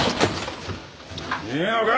いいのか？